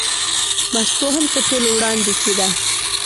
مستو هم تر ټولو وړاندې کېده.